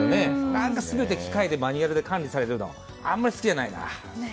何か全て機械で、マニュアルで管理されるのはあまり好きじゃないな。